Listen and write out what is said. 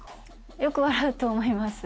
よく笑うと思います。